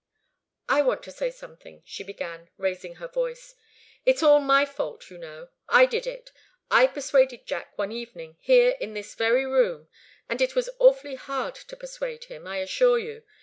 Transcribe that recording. "I want to say something," she began, raising her voice. "It's all my fault, you know. I did it. I persuaded Jack one evening, here in this very room and it was awfully hard to persuade him, I assure you!